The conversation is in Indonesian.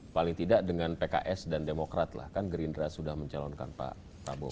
paling tidak dengan pks dan demokrat lah kan gerindra sudah mencalonkan pak prabowo